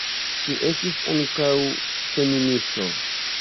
Ŝi estis ankaŭ feministo.